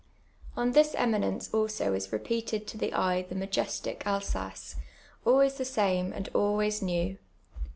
On this eminence also is repeated to the eye the majestic Alsace, always tlie same, and always new.